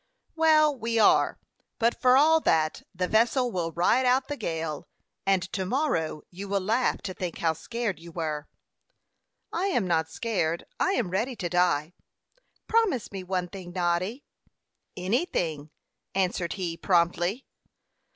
"Well, we are; but for all that, the vessel will ride out the gale, and to morrow you will laugh to think how scared you were." "I am not scared; I am ready to die. Promise me one thing, Noddy." "Anything," answered he, promptly.